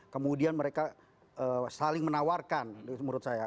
kemudian mereka saling menawarkan menurut saya